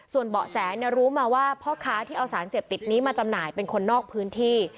ส่วนเบาะแสรู้มาว่าพ่อค้าที่เอาสารเสพติดนี้มาจำหน่ายเป็นคนนอกพื้นที่